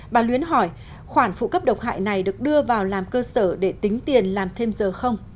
bà luyến hỏi khoản phụ cấp độc hại này được đưa vào làm cơ sở để tính tiền làm thêm giờ không